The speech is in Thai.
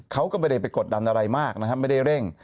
เขาก็ไม่ได้ไปกดดันอะไรมากนะครับไม่ได้เร่ง